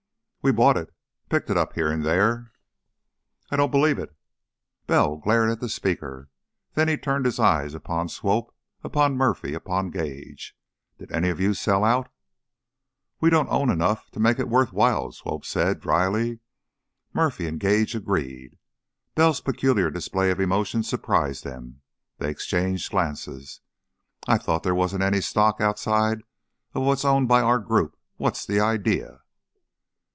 "We bought it. Picked it up here and there " "I don't believe it!" Bell glared at the speaker, then he turned his eyes upon Swope, upon Murphy, upon Gage. "Did any of you sell out?" "We don't own enough to make it worth while," Swope said, dryly. Murphy and Gage agreed. Bell's peculiar display of emotion surprised them; they exchanged glances. "I thought there wasn't any stock outside of what's owned by our group. What's the idea?"